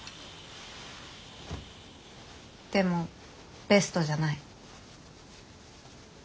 でもベストじゃない。